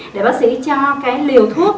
để bác sĩ cho cái liều thuốc